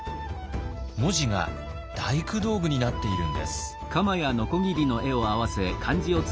文字が大工道具になっているんです。